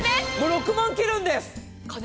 ６万切るんです。